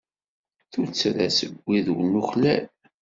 Tuttra seg wid ur nuklal.